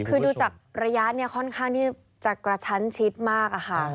คือดูจากระยะเนี่ยค่อนข้างที่จะกระชั้นชิดมากอะค่ะ